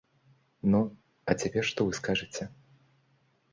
Ну, а цяпер што вы скажаце?